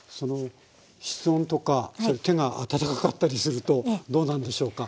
室温とか手が温かかったりするとどうなんでしょうか？